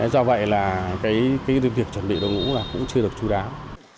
do vậy là cái việc chuẩn bị đội ngũ là cũng chưa được chú đáo